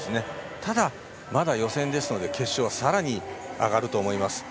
ただ、まだ予選ですので決勝はさらに上がると思います。